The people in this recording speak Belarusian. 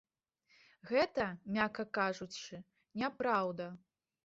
Гэта, мякка кажучы, няпраўда.